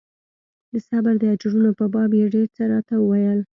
د صبر د اجرونو په باب يې ډېر څه راته وويل.